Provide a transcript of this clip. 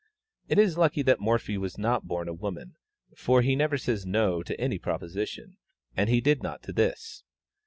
It is lucky that Morphy was not born a woman, for he never says "no" to any proposition, and he did not to this.